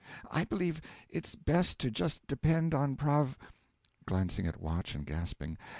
I believe it's best to just depend on Prov (Glancing at watch, and gasping.)